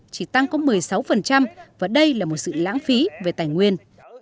chỉ tăng có một mươi sáu và đây là một sự lãng phí về tài nguyên